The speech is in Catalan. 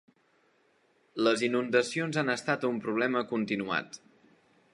Les inundacions han estat un problema continuat.